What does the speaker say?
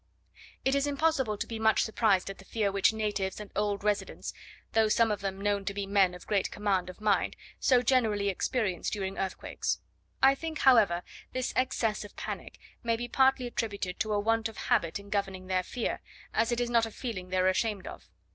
It is impossible to be much surprised at the fear which natives and old residents, though some of them known to be men of great command of mind, so generally experience during earthquakes. I think, however, this excess of panic may be partly attributed to a want of habit in governing their fear, as it is not a feeling they are ashamed of.